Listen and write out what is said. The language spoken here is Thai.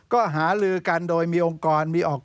ก็หาลือกันโดยมีองค์กร